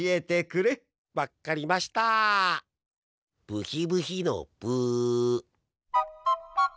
ブヒブヒのブ。